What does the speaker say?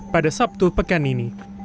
pada sabtu pekan ini